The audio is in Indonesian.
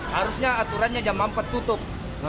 harusnya aturannya jam empat tutup